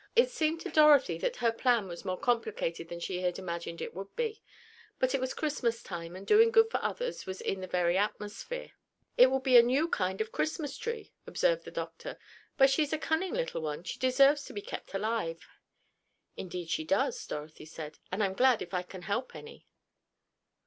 It seemed to Dorothy that her plan was more complicated than she had imagined it would be, but it was Christmas time, and doing good for others was in the very atmosphere. "It will be a new kind of Christmas tree," observed the doctor. "But she's a cunning little one—she deserves to be kept alive." "Indeed she does," Dorothy said, "and I'm glad if I can help any."